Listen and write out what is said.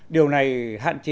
điều này hạn chế